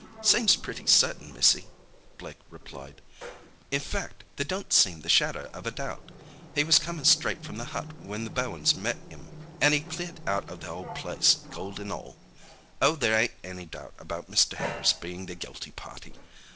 "Seems pretty certain, missy," Blake replied. "In fact, there don't seem the shadder of a doubt. He was comin' straight from the hut when the Bowens met 'im—an' he'd cleared out the whole place, gold an' all. Oh, there ain't any doubt about Mr. Harris bein' the guilty party.